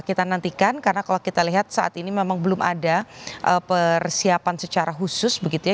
kita nantikan karena kalau kita lihat saat ini memang belum ada persiapan secara khusus begitu ya